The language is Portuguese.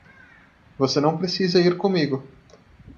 Você não precisa ir comigo.